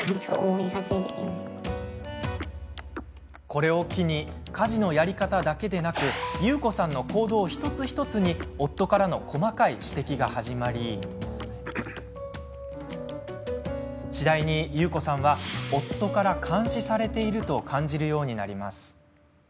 これを機に家事のやり方だけでなくゆうこさんの行動一つ一つに夫からの細かい指摘が始まり次第に、ゆうこさんは夫から監視されていると感じるようになります。